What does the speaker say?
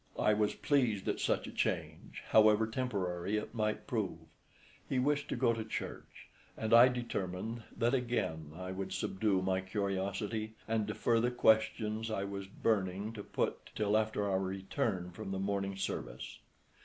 I was pleased at such a change, however temporary it might prove. He wished to go to church, and I determined that again I would subdue my curiosity and defer the questions I was burning to put till after our return from the morning service.